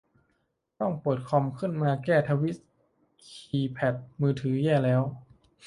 ต้องเปิดคอมขึ้นมาแก้ทวีต คีย์แพดมือถือแย่แล้ว